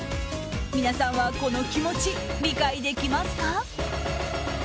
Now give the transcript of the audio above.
皆さんは、この気持ち理解できますか？